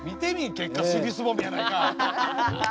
結果尻すぼみやないか！